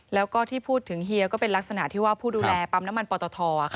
แล้วก็ที่พูดถึงเฮียก็เป็นลักษณะที่ว่าผู้ดูแลปั๊มน้ำมันปอตท